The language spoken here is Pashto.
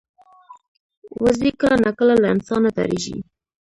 وزې کله ناکله له انسانه ډاریږي